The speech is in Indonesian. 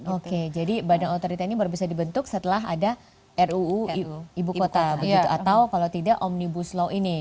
oke jadi badan otorita ini baru bisa dibentuk setelah ada ruu ibu kota begitu atau kalau tidak omnibus law ini